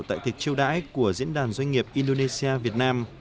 tại tiệc chiêu đãi của diễn đàn doanh nghiệp indonesia việt nam